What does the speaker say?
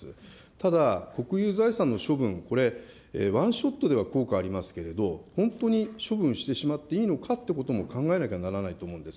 ただ、国有財産の処分、これ、ワンショットでは効果ありますけれども、本当に処分してしまっていいのかということも考えなきゃならないと思うんです。